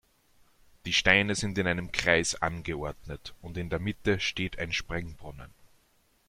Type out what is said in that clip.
Die Steine sind in einem Kreis angeordnet und in der Mitte steht ein Springbrunnen.